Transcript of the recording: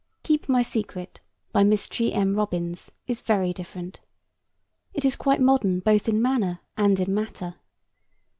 Keep My Secret, by Miss G. M. Robins, is very different. It is quite modern both in manner and in matter.